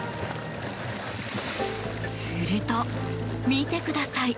すると、見てください。